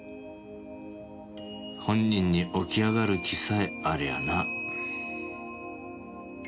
本人に起き上がる気さえありゃな。